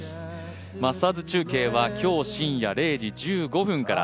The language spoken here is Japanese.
マスターズ中継は今日深夜０時１５分から。